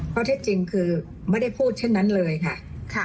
ข้อเท็จจริงคือไม่ได้พูดเช่นนั้นเลยค่ะ